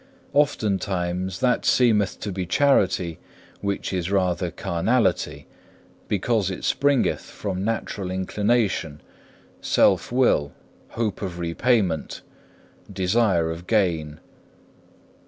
Oftentimes that seemeth to be charity which is rather carnality, because it springeth from natural inclination, self will, hope of repayment, desire of gain.